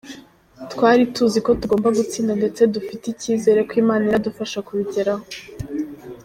Twari tuzi ko tugomba gutsinda ndetse dufite icyizere ko Imana iradufasha kubigeraho.